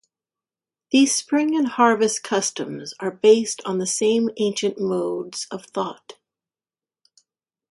These spring and harvest customs are based on the same ancient modes of thought.